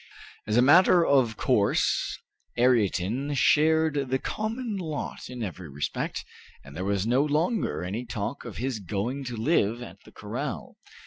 As a matter of course Ayrton shared the common lot in every respect, and there was no longer any talk of his going to live at the corral.